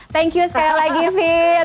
thank you sekali lagi fit